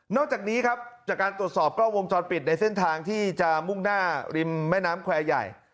จากนี้ครับจากการตรวจสอบกล้องวงจรปิดในเส้นทางที่จะมุ่งหน้าริมแม่น้ำแควร์ใหญ่